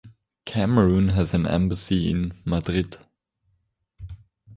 Cameroon has an embassy in Madrid.